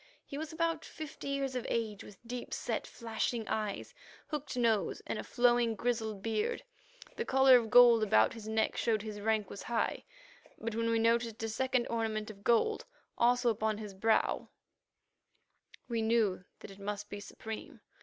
He was about fifty years of age, with deep set flashing eyes, hooked nose, and a flowing, grizzled beard. The collar of gold about his neck showed that his rank was high, but when we noticed a second ornament of gold, also upon his brow, we knew that it must be supreme.